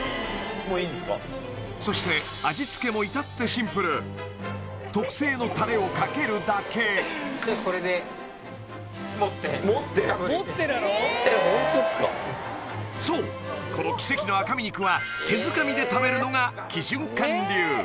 そして味付けもいたってシンプル特製のたれをかけるだけこれでホントっすかそうこの奇跡の赤身肉は手づかみで食べるのが基順館流